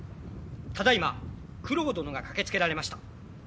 ただいま九郎殿が駆けつけられました。